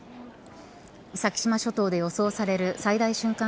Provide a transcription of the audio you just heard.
先島諸島で予想される最大瞬間